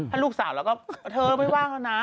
ถ้าลูกสาวแล้วก็เธอไม่ว่างแล้วนะ